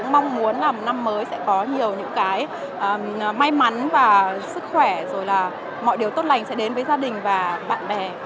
mong muốn là năm mới sẽ có nhiều những cái may mắn và sức khỏe rồi là mọi điều tốt lành sẽ đến với gia đình và bạn bè